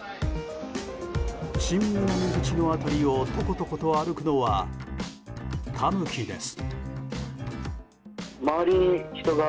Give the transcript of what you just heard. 新南口の辺りをトコトコと歩くのはタヌキです。